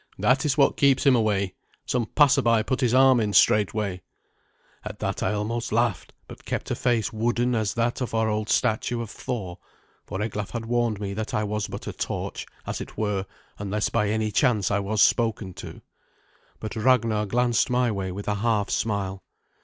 That is what keeps him away. Some passerby put his arm in straightway." At that I almost laughed, but kept a face wooden as that of our old statue of Thor, for Eglaf had warned me that I was but a torch, as it were, unless by any chance I was spoken to. But Ragnar glanced my way with a half smile.